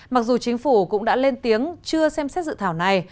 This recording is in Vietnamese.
mặc dù chính phủ cũng đã lên tiếng chưa xem xét dự thảo này